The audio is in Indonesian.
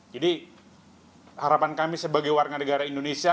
jadi harapan kami sebagai warga negara indonesia